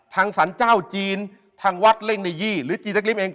สรรเจ้าจีนทางวัดเร่งในยี่หรือจีนสักริมเอง